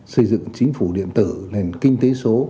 xây dựng chính phủ điện tử nền kinh tế số